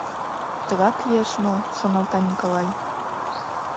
«Тыгак лиеш мо, — шоналта Николай.